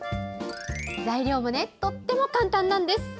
材料もとても簡単なんです！